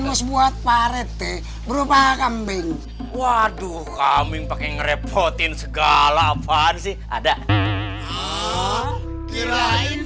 mus buat parete berubah kambing waduh kaming pakai ngerepotin segala apaan sih ada kirain